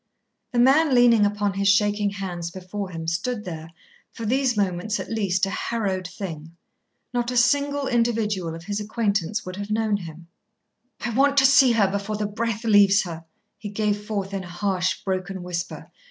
The man, leaning upon his shaking hands before him, stood there, for these moments at least, a harrowed thing. Not a single individual of his acquaintance would have known him. "I want to see her before the breath leaves her," he gave forth in a harsh, broken whisper.